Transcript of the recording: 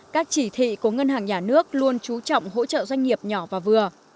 các chỉ thị của ngân hàng nhà nước luôn trú trọng hỗ trợ doanh nghiệp nhỏ và vừa